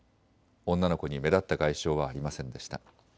女の子に目立った外傷はありませんでした。